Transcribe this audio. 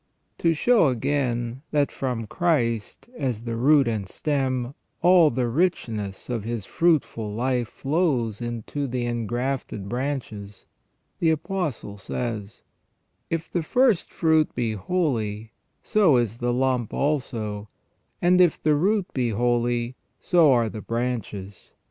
To show, again, that from Christ, as the root and stem, all the richness of His fruitful life flows into the engrafted branches, the Apostle says :" If the first fruit be holy, so is the lump also ; and if the root be holy, so are the branches.